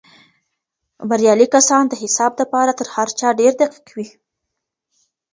بريالي کسان د حساب دپاره تر هر چا ډېر دقیق وي.